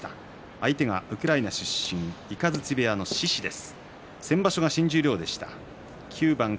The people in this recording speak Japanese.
相手はウクライナ出身の雷部屋の獅司です。